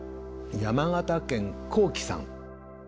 山形県こうきさん。